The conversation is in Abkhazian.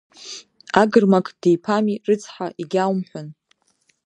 Агр Мақ диԥами рыцҳа, егьаумҳәан!